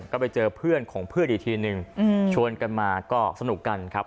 ก็ไปเจอเพื่อนของเพื่อนอีกทีนึงชวนกันมาก็สนุกกันครับ